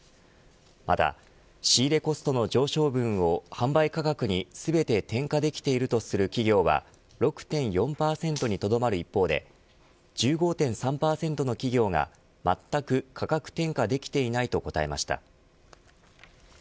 また仕入れコストの上昇分を販売価格にすべて転嫁できているとする企業は６．４％にとどまる一方で１５．３％の企業が全く価格転嫁できていないと答えました。